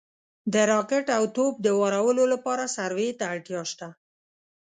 د راکټ او توپ د وارولو لپاره سروې ته اړتیا شته